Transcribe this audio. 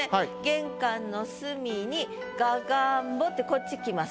「玄関の隅にががんぼ」ってこっち来ます。